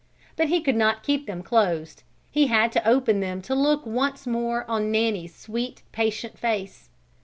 But he could not keep them closed. He had to open them to look once more on Nanny's sweet, patient face.